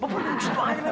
bapak pergi ke situ aja